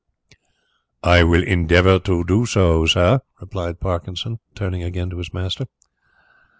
"I will endeavour to do so, sir," replied Parkinson, turning again to his master.